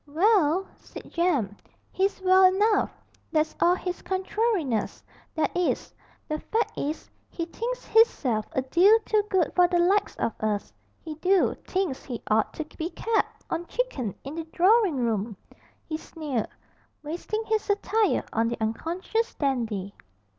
'Well!' said Jem. 'He's well enough; that's all his contrariness, that is. The fact is, he thinks hisself a deal too good for the likes of us, he do thinks he ought to be kep' on chickin in a droring room!' he sneered, wasting his satire on the unconscious Dandy.